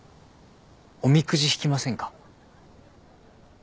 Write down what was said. おみくじ引きませんか？